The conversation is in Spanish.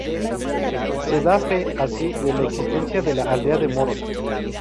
Se da fe así de la existencia de la aldea de Moros.